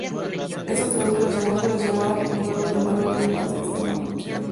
Esto traduce las llamadas del sistema emulado a llamadas del sistema anfitrión.